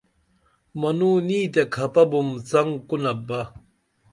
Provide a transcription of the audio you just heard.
منوں نیں تے کھپہ بُم څنگ کونپ بہ